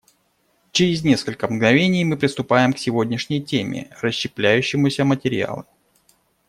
Через несколько мгновений мы приступаем к сегодняшней теме − расщепляющемуся материалу.